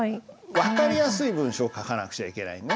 分かりやすい文章を書かなくちゃいけないね。